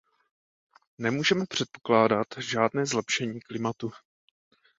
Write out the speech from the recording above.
Nemůžeme předpokládat žádné zlepšení klimatu.